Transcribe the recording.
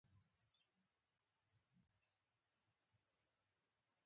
دا پدې معنا ده چې په هوایي ډګر کې کښتۍ ته انتظار کوئ.